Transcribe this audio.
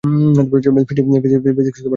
Physics বড্ড ক্লান্তিকর বিষয়।